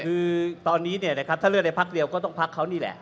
คือตอนนี้เนี่ยนะครับถ้าเลือกได้พักเดียวก็ต้องพักเขานี่แหละ